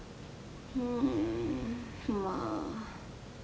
うんまあ